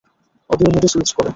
Audio মোডে switch করো!